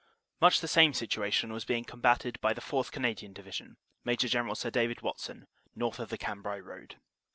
Much the same situation was being combatted by the 4th. Canadian Division, Maj. General Sir David Watson, north of the Cambrai road.